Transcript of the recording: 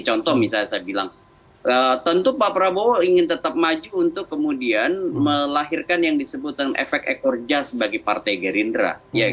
contoh misalnya saya bilang tentu pak prabowo ingin tetap maju untuk kemudian melahirkan yang disebutkan efek ekor jas bagi partai gerindra